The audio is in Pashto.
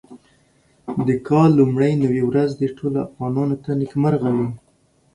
د کال لومړۍ نوې ورځ دې ټولو افغانانو ته نېکمرغه وي.